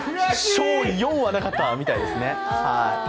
昭四はなかったみたいですね。